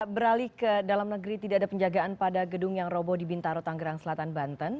beralih ke dalam negeri tidak ada penjagaan pada gedung yang roboh di bintaro tanggerang selatan banten